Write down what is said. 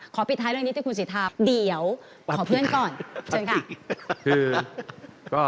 ปิดท้ายเรื่องนี้ที่คุณสิทธาเดี๋ยวขอเพื่อนก่อนเชิญค่ะ